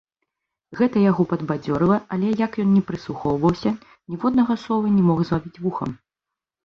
Гэта яго падбадзёрыла, але як ён ні прыслухоўваўся, ніводнага слова не мог злавіць вухам.